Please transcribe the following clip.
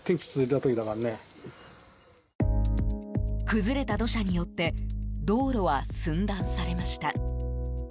崩れた土砂によって道路は寸断されました。